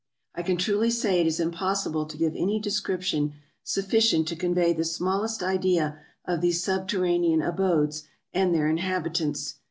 I can truly say it is impossible to give any description sufficient to convey the smallest idea of these subterranean abodes and their inhabitants.